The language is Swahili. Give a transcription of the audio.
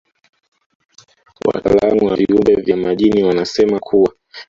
Wataalamu wa viumbe vya majini wanasema kuwa